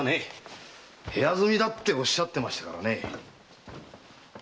部屋住みだっておっしゃってましたからねえ。